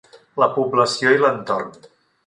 La població i l'entorn.